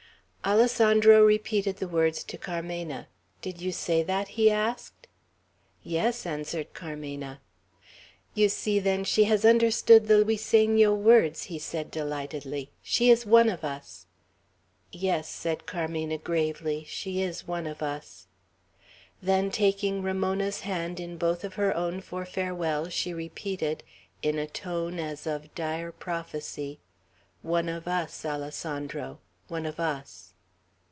Alessandro repeated the words to Carmena. "Did you say that?" he asked. "Yes," answered Carmena. "You see, then, she has understood the Luiseno words," he said delightedly. "She is one of us." "Yes," said Carmena, gravely, "she is one of us." Then, taking Ramona's hand in both of her own for farewell, she repeated, in a tone as of dire prophecy, "One of us, Alessandro! one of us!"